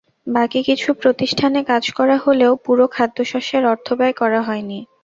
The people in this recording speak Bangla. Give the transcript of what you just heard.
বাকি কিছু প্রতিষ্ঠানে কাজ করা হলেও পুরো খাদ্যশস্যের অর্থ ব্যয় করা হয়নি।